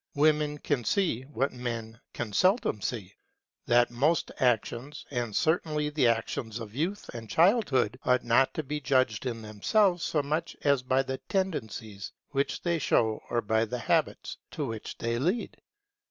Women can see, what men can seldom see, that most actions, and certainly the actions of youth and childhood, ought not to be judged in themselves so much as by the tendencies which they show or by the habits to which they lead.